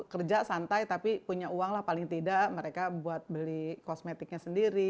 kerja santai tapi punya uang lah paling tidak mereka buat beli kosmetiknya sendiri